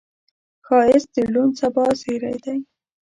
ښایست د روڼ سبا زیری دی